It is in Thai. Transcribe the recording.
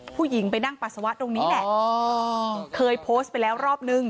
ผู้หญิงไปนั่งปัสสาวะตรงนี้แหละเคยโพสต์ไปแล้วรอบนึง